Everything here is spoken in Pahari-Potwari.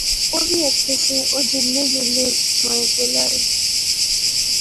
اووی ایتھیں سے، او جلنے جلنے میں کول آئے